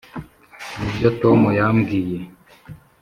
nibyo tom yambwiye.